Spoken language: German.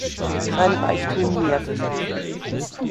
Sein Reichtum mehrte sich.